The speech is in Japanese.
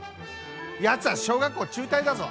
やつは小学校中退だぞ！